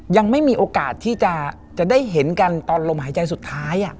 ยังไม่มีโอกาสที่จะได้เห็นกันตอนลมหายใจสุดท้าย